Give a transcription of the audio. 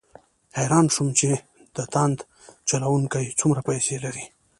حیران شوم چې د تاند چلوونکي څومره پیسې لري.